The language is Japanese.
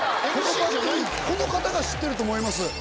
この方が知ってると思います。